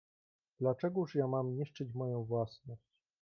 "Dlaczegóż ja mam niszczyć moją własność."